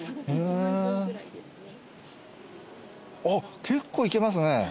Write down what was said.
あっ結構いけますね。